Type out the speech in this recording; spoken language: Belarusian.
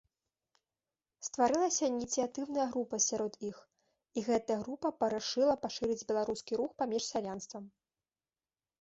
Стварылася ініцыятыўная група сярод іх, і гэтая група парашыла пашырыць беларускі рух паміж сялянствам.